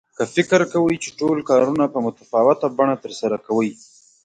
که فکر کوئ چې ټول کارونه په متفاوته بڼه ترسره کوئ.